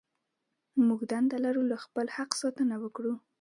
موږ دنده لرو له خپل حق ساتنه وکړو.